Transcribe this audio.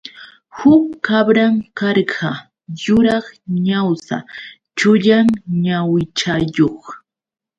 Huk kabran karqa yuraq ñawsa chullan ñawichayuq.